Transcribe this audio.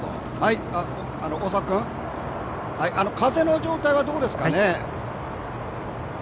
大迫君、風の状態はどうですかね？